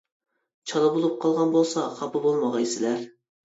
چالا بولۇپ قالغان بولسا خاپا بولمىغايسىلەر.